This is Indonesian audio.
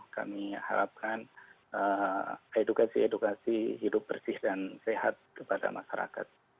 kami harapkan edukasi edukasi hidup bersih dan sehat kepada masyarakat